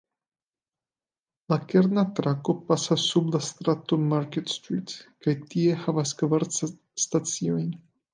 La kerna trako pasas sub la strato "Market Street" kaj tie havas kvar staciojn.